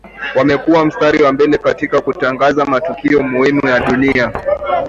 Wamekua mstari wa mbele katika kutangaza matukio muhimu ya dunia